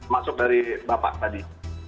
masuk dari bapak tadi